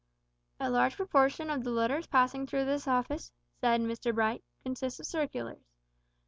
"A large proportion of the letters passing through this office," said Mr Bright, "consists of circulars.